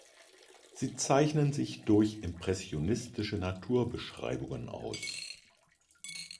Sie zeichnen sich durch impressionistische Naturbeschreibungen aus.